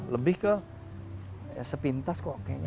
lebih ke sepintas kok kayaknya